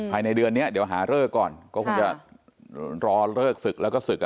ภายในเดือนนี้เดี๋ยวหาเลิกก่อนก็คงจะรอเลิกศึกแล้วก็ศึก